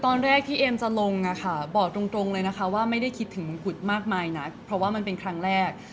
ตอนแรกที่เอ็มจะลงบอกตรงเลยนะคะว่าไม่ได้คิดถึงมงกุฎมากมายนักเพราะว่ามันเป็นครั้งแรก